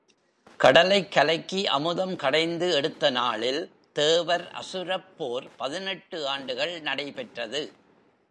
கடலைக் கலக்கி அமுதம் கடைந்து எடுத்த நாளில் தேவர் அசுரப் போர் பதினெட்டு ஆண்டுகள் நடைபெற்றது.